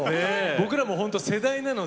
僕らもほんと世代なので。